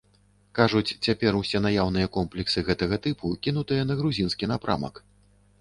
Кажуць, цяпер усе наяўныя комплексы гэтага тыпу кінутыя на грузінскі напрамак.